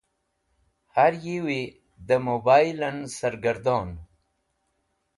Har Yiewi de Mobilen Sargardon